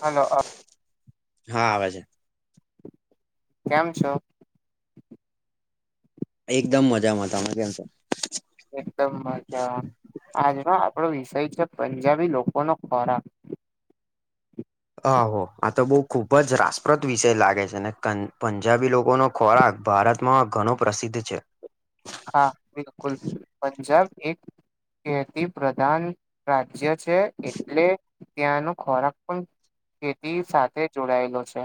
Hello હા આવે છે. કેમ છો એકદમ મજામાં તમે કેમ છો એકદમ મજા આવે આજનો આપણો વિષય છે પંજાબી લોકો નો ખોરાક આહો આ તો બઉ ખુબ જ રાસપ્રદ વિષય લાગે છે ને પંજાબી લોકોનો ખોરાક ભારતમાં ઘણો પ્રસિદ્ધ છે હા બિલકુલ પંજાબ એક ખેતી પ્રધાન રાજ્ય છે એટલે ત્યાંનો ખોરાક પણ ખેતી સાથે જોડાયેલો છે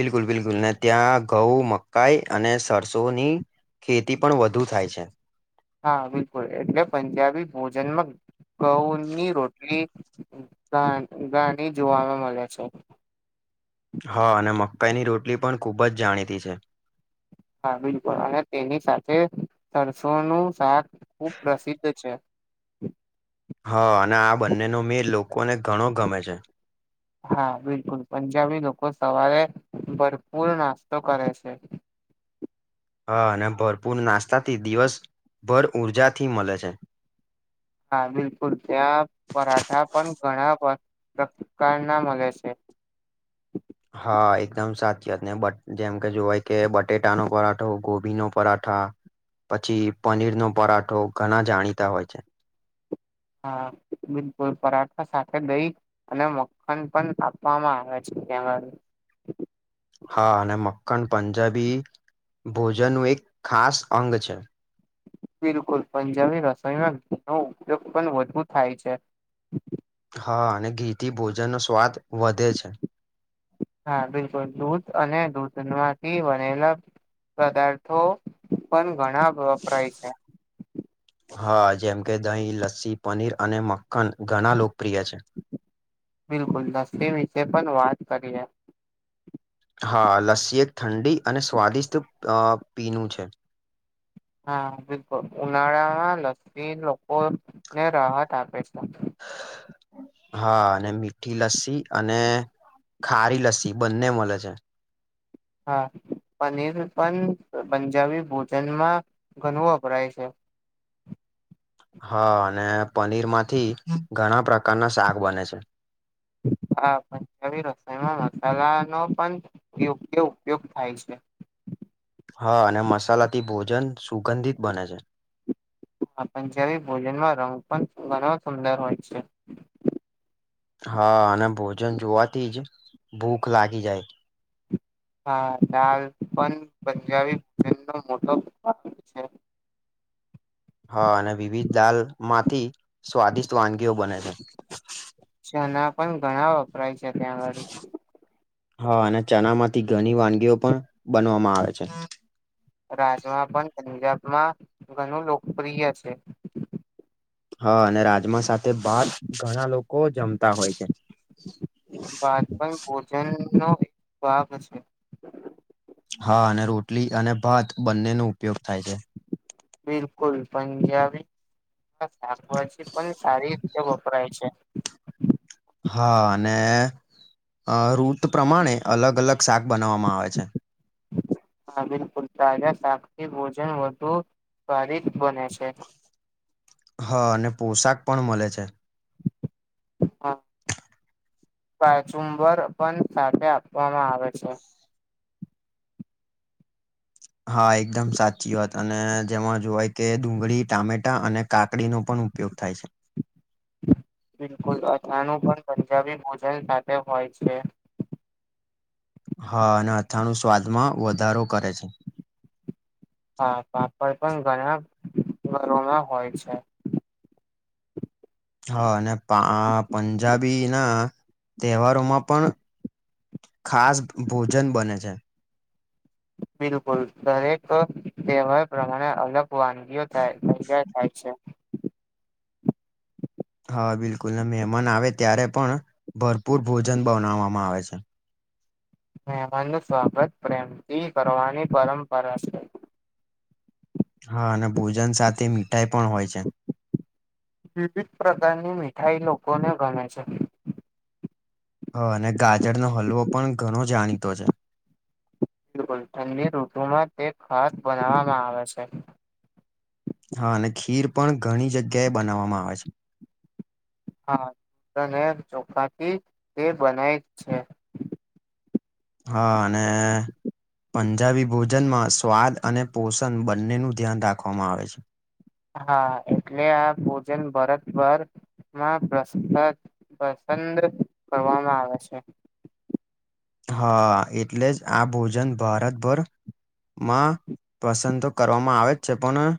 બિલકુલ બિલકુલ ત્યાં ઘઉં મકાઈ અને સરસોની ખેતી પણ વધુ થાય છે હા બિલકુલ એટલે પંજાબી ભોજનમાં ગઉની રોટલી ગ ગણી જોવાવામાં મળે છે હા અને મકાઈની રોટલી પણ ખૂબ જ જાણીતી છે હા બિલકુલ અને તેની સાથે સરરસોનું શાક ખુબ પ્રસિદ્ધ છે હા અને આ બંને ન મે લોકોને ઘણો ગમે છે હા બિલકુલ પંજાબી લોકો સવારે ભરપૂર નાસ્તો કરે છે હા અને ભરપૂર નાસ્તા થી દિવસ ભર ઊર્જા થી મળે છે હા બિલકુલ ત્યાં પરાઠા પણ ઘણા પ્રકારના મળે છે હા એકદમ સાચી વાત ને બ જેમ કે જોવાય કે બટેટાનો પરાઠો ગોભી નો પરાઠા પછી પનીર નો પરાઠો ઘણા જાણીતા હોય છે હા બિલકુલ પરાઠા સાત દહી અને મખન પણ આપાપવામાં આવે છે ત્યાં હા અને મક્કન પંજાબી ભોજન નું એક ખાસ અંગ છે બિલકુલ પંજાબની રસોઈમાં ઘી નો ઉપયોગ પણ વધુ થાય છે હા અને ઘીથી ભોજન નો સ્વાદ વધે છે હા બિલકુલ દૂધ અને દૂધ માંથી બનેલા પદાર્થો પણ ઘણા વપરાય છે હા જેમ કે દહીં લસ્સી પનીર અને મક્કન ઘણા લોકપ્રિય છે બિલકુલ લસ્સી વિશે પણ વાત કરીએ હા લસ્સી એક ઠંડી અને સ્વાદિષ્ટ અ પીનું છે હા બિલકુલ ઉનાળામાં લસ્સી લોકો ને રાહત આપે છે [inaudible] હા અને મીઠી લસ્સી અને ખારી લસ્સી બંને મળે છે હા પનીર પણ પંજાબી ભોજનમાં ઘણું વપરાય છે હા અને પનીર માંથી ઘણા પ્રકારના શાક બને છે હા પંજાબી રસાયણમાં મસાલા નો પણ યોગ્ય ઉપયોગ થાય છે હા અને મસાલા થી ભોજન સુગંધિત બને છે પંજાબી ભોજનમાં રંગ પણ ઘણો સુંદર હોય છે હા અને ભોજન જોવાથી જ ભૂખ લાગી જાય હા દાલ પણ પંજાબી ભોજન નો મોટો ભાગ છે હા અને વિવિધ દાલ માંથી સ્વાદિષ્ટ વાનગીઓ બને છે છના પણ ઘણા વપરાય છે ત્યાં અગાડી હા અને ચના માંથી ઘણી વાનગીઓ પણ બનવામાં આવે છે રાજમા પણ પંજાબમાં ઘણું લોકપ્રિય છે હા અને રાજમા સાથે ભાત ઘણા લોકો જમતા હોય છે. ભાત પણ ભોજનનો એક ભાગ છે. હા અને રોટલી અને ભાત બંનેનો ઉપયોગ થાય છે. બિલકુલ. પંજાબી એમાં શાકભાજી પણ સારી રીતે વપરાય છે. હા અને રૂટ પ્રમાણે અલગ અલગ શાક બનાવવામાં આવે છે. હા બિલકુલ તાજા શાકથી ભોજન વધુ સ્વાદિષ્ટ બને છે. હા અને પોશાક પણ મલે છે. હા કાચુંબર પણ સાથે આપવામાં આવે છે. હા એકદમ સાચી વાત. અને જેમાં જોવાય કે ડુંગળી, ટામેટ ટા અને કાકડીનો પણ ઉપયોગ થાય છે. બિલકુલ અથાનું પણ પંજાબી ભોજન સાથે હોય છે. હા અને અથાણું સ્વાદમાં વધારો કરે છે. હા પાપડ પણ ઘણા ઘરોમાં હોય છે. હા અને પા પંજાબીના તહેવારોમાં પણ ખાસ ભોજન બને છે. બિલકુલ દરેક તહેવાર પ્રમાણે અલગ વાનગીઓ થાય તૈયાર થાય છે. હા બિલકુલને મહેમાન આવે ત્યારે પણ ભરપૂર ભોજન બનાવવામાં આવે છે. મહેમાનનું સ્વાગત પ્રેમથી કરવાની પરંપરા છે. હા અને ભોજન સાથે મીઠાઈ પણ હોય છે. વિવિધ પ્રકારની મીઠાઈ લોકોને ગમે છે. હહ અને ગાજરનો હલવો પણ ઘણો જાણીતો છે. બિલકુલ. ઠંડી ઋતુમાં તે ખાસ બનાવવામાં આવે છે. હા અને ખીર પણ ઘણી જગ્યાએ બનાવવામાં આવે છે. હા અને ચોખાથી તે બનાય જ છે. હા અને પંજાબી ભોજનમાં સ્વાદ અને પોષણ બંનેનું ધ્યાન રાખવામાં આવે છે. હા એટલે આ ભોજન ભરત ભર માં પ્રસ પ્રસંદ કરવામાં આવે છે. હા એટલે જ આ ભોજન ભારતભર માં પસંદ તો કરવામાં આવે જ છે, પણ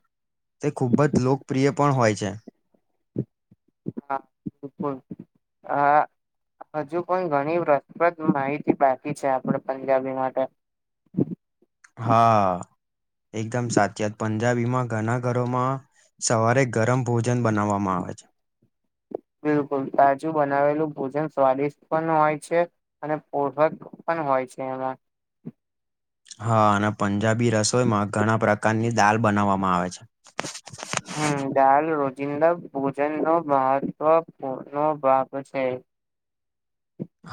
તે ખુબ જ લોકપ્રિય પણ હોય છે. હા બિલકુલ. આ હજુ પણ ઘણી રસપ્રદ માહિતી બાકી છે, આપણે પંજાબી માટે. હા એકદમ સાચી વાત. પંજાબીમાં ઘણા ઘરોમાં સવારે ગરમ ભોજન બનાવવામાં આવે છે. બિલકુલ તાજું બનાવેલું ભોજન સ્વાદિષ્ટ પણ હોય છે. અને પોષક પણ હોય છે એમાં. હા અને પંજાબી રસોઈમાં ઘણા પ્રકારની દાલ બનાવવામાં આવે છે. હમ દાલ રોજિંદા ભોજનનો મહત્વપૂર્ણ ભાગ છે.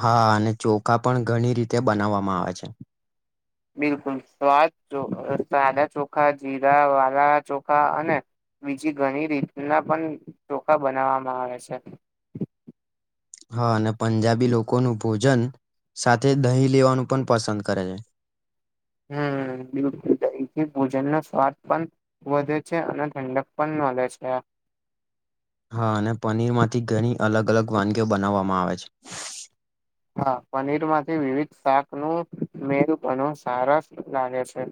હા અને ચોખા પણ ઘણી રીતે બનાવવામાં આવે છે. બિલકુલ સ્વાદ ચો સાદા ચોખા, જીરા વારા ચોખા અને બીજી ઘણી રીતના પણ ચોખા બનાવામાં આવે છે. હા અને પંજાબી લોકોનું ભોજન સાથે દહીં લેવાનું પણ પસંદ કરે છે. હમ બિલકુલ દહીંથી ભોજનનો સ્વાદ પણ વધે છે અને ઠંડક પણ મલે છે. હા અને પનીરમાંથી ઘણી અલગ- અલગ વાનગીઓ બનાવવામાં આવે છે. હા પનીરમાંથી વિવિધ શાકનું મેલ ઘણું સારસ લાગે છે.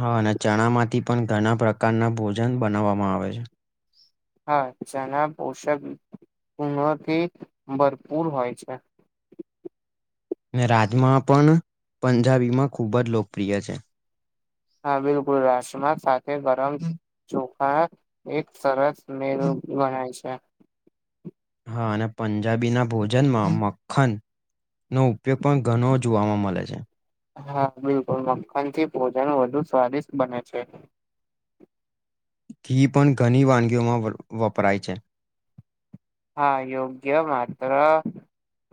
હા અને ચણામાંથી પણ ઘણા પ્રકારના ભોજન બનાવવામાં આવે છે. હા ચના પોષક પૂણથી ભરપૂર હોય છે. ને રાજમા પણ પંજાબીમાં ખુબ જ લોકપ્રિય છે. હા બિલકુલ રાજસમા સાથે ગરમ ચોખા એક સરસ મેનું ગણાય છે. હા અને પંજાબી ના ભોજનમાં મખન નો ઉપયોગ પણ ઘણો જોવાવામાં મલે છે. હા બિલકુલ મક્ખન થી ભોજન વધુ સ્વાદિષ્ટ બને છે ઘી પણ ઘની વાનગીઓમાં વપરાય છે હા યોગ્ય માત્ર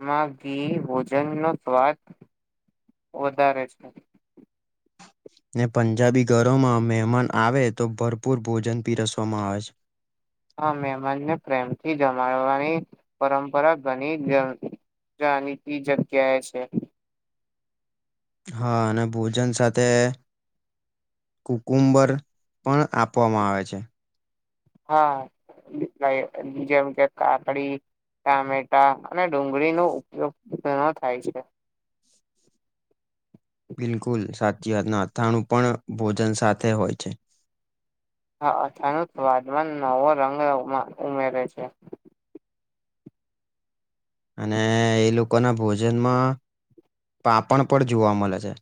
માં ઘી ભોજન નો સ્વાદ વધારે છે ને પંજાબી ઘરોમાં મહેમાન આવે તો ભરપૂર ભોજન પીરસવામાં આવે છે હા મેમાનને પ્રેમથી જમાડવાની પરંપરા ઘની [unintelligible] જાણીતી જગ્યાએ છે હા અને ભોજન સાથે કુકુંબર પણ આપવામાં આવે છે હા જેમ કે કકડી ટામેટા અને ડુંગળી નો ઉપયોગનો ઘણો થાય છે બિલકુલ સાચી વાત ના અથાણું પણ ભોજન સાથે હોય છે હા અથાણું સ્વાદમા નવો રંગ ઉમેરે છે અને એ લોકો ના ભોજનમાં પાપડ પણ જોવા મળે છે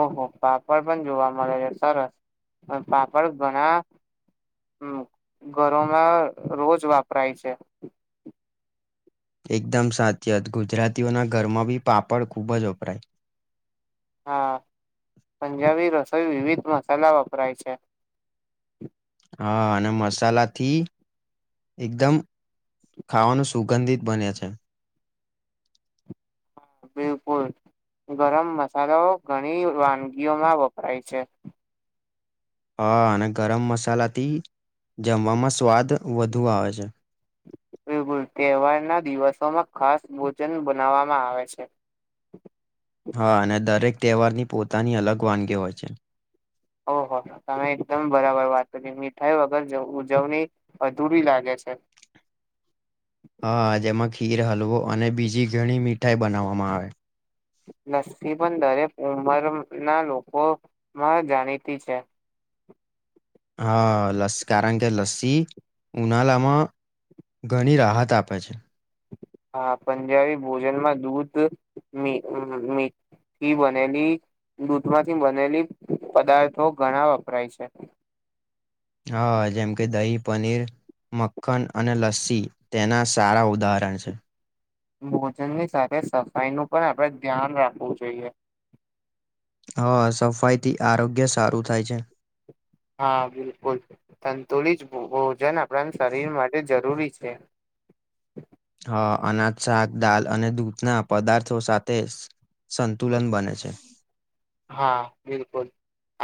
ઓહો પાપડ પણ જોવા મળે છે સરસ પણ પાપડ ગણા હમ્મ ઘરોમાં રોજ વાપરાય છે એકદમ સાચી વાત ગુજરાતીઓના ઘરમાં બી પાપડ ખુબ જ વપરાય હા પંજાબી રસોઈ વિવિધ મસાલા વપરાય છે હા અને મસાલા થી એકદમ ખાવાનું સુગંધિત બને છે બિલકુલ ગરમ મસાલાઓ ઘણી વાનગીઓમાં વપરાય છે હા અને ગરમ મસાલાથી જમવામાં સ્વાદ વધુ આવે છે બિલકુલ તહેવારના દિવસોમાં ખાસ ભોજન બનાવવામાં આવે છે હા અને દરેક તહેવારની પોતાની અલગ વાનગી હોય છે ઓહ તમે એકદમ બરાબર વાત કરી મીઠાઈ વગર જ ઉજવની અધૂરી લાગે છે હા જેમાં ખીર હલવો અને બીજી ઘણી મીઠાઈ બનાવવામાં આવે લસ્સી પણ દરેક ઉંમરના લોકો માં જાણીતી છે હા લાસ કારણ કે લસ્સી ઉનાલામાં ઘણી રાહત આપે છે હા પંજાબી ભોજનમાં દૂધ મી મી થી બનેલી દૂધમાંથી બનેલી પદાર્થો ઘણા વપરાય છે હા જેમ કે દહી પનીર મક્ખન અને લસ્સી તેના સારા ઉદાહરણ છે ભોજનની સાથે સફાઈ નું પણ આપડે ધ્યાન રાખવું જોઈએ હા સફાઈ થી આરોગ્ય સારું થાય છે હા બિલકુલ સંતુલિત ભોજન આપણા શરીર માટે જરૂરી છે હા અનાજ શાક દાલ અને દૂધના પદાર્થો સાથે સંતુલન બને છે હા બિલકુલ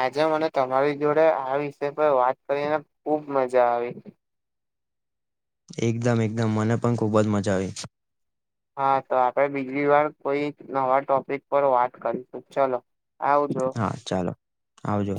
આજે મને તમારી જોડે આ વિષય પર વાત કરીને ખુબ મજા આવી એકદમ એકદમ મને પણ ખુબ જ મજા આવી હા તો આપડે બીજી વાર કોઈ નવા ટોપિક પર વાત કરીશું ચલો આવજો હા, ચાલો આવજો.